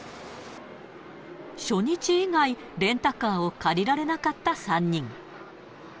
初日以外、レンタカーを借りられなかった３人。